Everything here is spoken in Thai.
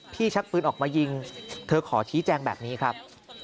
ชักปืนออกมายิงเธอขอชี้แจงแบบนี้ครับ